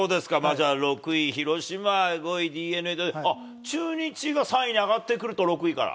じゃあ、６位広島、５位ＤｅＮＡと、中日は３位に上がってくると、６位から。